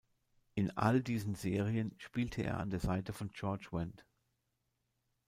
In all diesen Serien spielte er an der Seite von George Wendt.